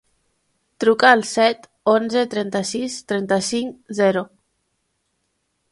Truca al set, onze, trenta-sis, trenta-cinc, zero.